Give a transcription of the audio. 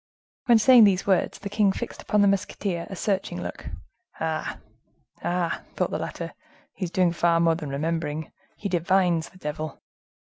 When saying these words, the king fixed upon the musketeer a searching look. "Ah! ah!" thought the latter, "he is doing far more than remembering, he divines. The devil!"